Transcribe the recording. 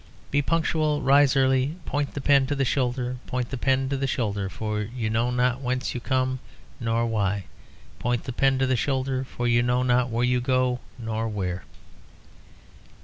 Be punctual. Rise early. Point the pen to the shoulder. Point the pen to the shoulder, for you know not whence you come nor why. Point the pen to the shoulder, for you know not when you go nor where."